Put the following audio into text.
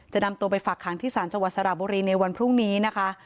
นำตัวไปฝากขังที่ศาลจังหวัดสระบุรีในวันพรุ่งนี้นะคะ